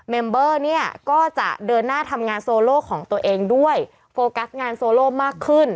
เมมเบอร์เนี่ยก็จะเดินหน้าทำงานโซโลของตัวเองด้วยโฟกัสงานโซโลมากขึ้น